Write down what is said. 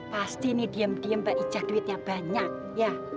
pasti ini diem diem mbak ica duitnya banyak ya